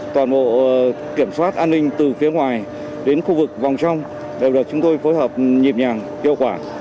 toàn bộ kiểm soát an ninh từ phía ngoài đến khu vực vòng trong đều được chúng tôi phối hợp nhịp nhàng hiệu quả